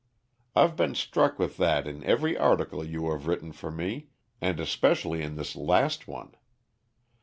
I've been struck with that in every article you have written for me, and especially in this last one.